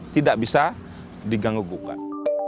tidak bisa diganggu gunggak